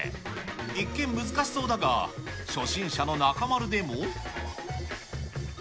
一見難しそうだが、初心者の中丸でも。